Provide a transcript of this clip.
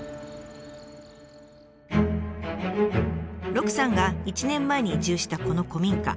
鹿さんが１年前に移住したこの古民家。